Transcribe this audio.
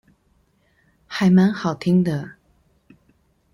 還蠻好聽的